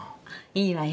いいわよ。